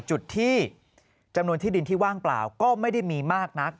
จุดที่จำนวนที่ดินที่ว่างเปล่าก็ไม่ได้มีมากนัก